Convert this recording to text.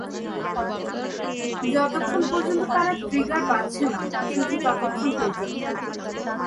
যতক্ষন পর্যন্ত তারা ট্রিগার পাচ্ছে না, শুধু ততক্ষন পর্যন্ত।